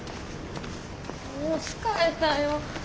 もう疲れたよ。